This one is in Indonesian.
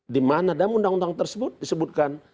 di mana dalam undang undang tersebut disebutkan